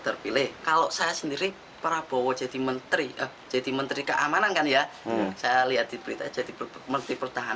terpilih kalau saya sendiri prabowo jadi menteri jadi menteri keamanan kan ya saya lihat di berita jadi menteri pertahanan